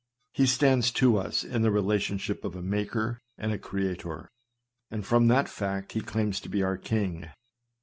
He stands to us in the relationship of a Maker and Creator; and from that fact he claims to be our King.